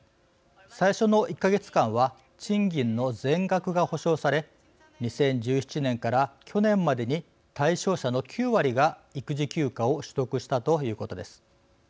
最初の１か月間は賃金の全額が保証され２０１７年から去年までに対象者の９割が育児休暇を取得したということです。